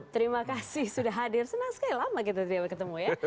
terima kasih sudah hadir senang sekali lama kita tidak ketemu ya